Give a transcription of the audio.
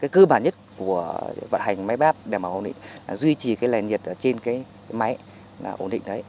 cơ bản nhất của vận hành máy báp đảm bảo ổn định là duy trì lệnh nhiệt trên máy ổn định